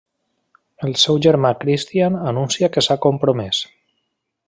El seu germà Christian anuncia que s'ha compromès.